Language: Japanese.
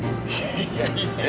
いやいや。え？